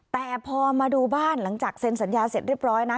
แต่พอมาดูบ้านหลังจากเซ็นสัญญาเสร็จเรียบร้อยนะ